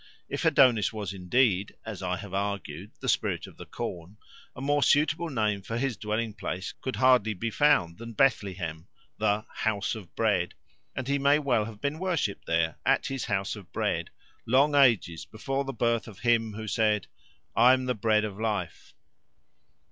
If Adonis was indeed, as I have argued, the spirit of the corn, a more suitable name for his dwelling place could hardly be found than Bethlehem, "the House of Bread," and he may well have been worshipped there at his House of Bread long ages before the birth of Him who said, "I am the bread of life."